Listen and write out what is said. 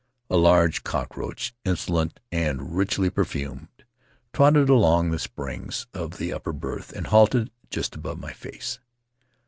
A large cockroach, insolent and richly perfumed, trotted along the springs of the upper berth and halted just above my face.